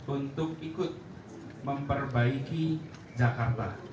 untuk ikut memperbaiki jakarta